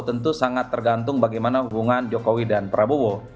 tentu sangat tergantung bagaimana hubungan jokowi dan prabowo